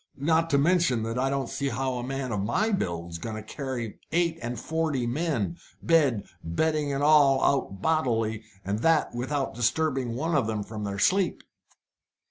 Not to mention that I don't see how a man of my build's going to carry eight and forty men, bed, bedding, and all, out bodily, and that without disturbing one of them from sleep."